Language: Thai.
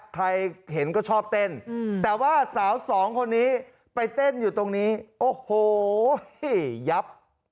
ใครเห็นก็ชอบเต้นแต่ว่าสาวสองคนนี้ไปเต้นอยู่ตรงนี้โอ้โหยับ